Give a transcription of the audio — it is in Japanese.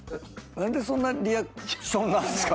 何でそんなリアクションなんすか？